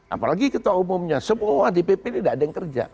apalagi ketua umumnya semua di pp ini gak ada yang kerja